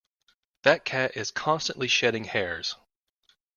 That cat is constantly shedding hairs.